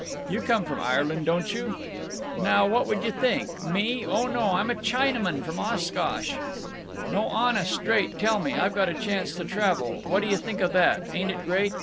You come from Ireland, don't you?" "Now what would you think? Me—oh no; I'm a Chinaman from Oshkosh!" "No, honest, straight, tell me. I've got a chance to travel. What d'yuh think of that? Ain't it great!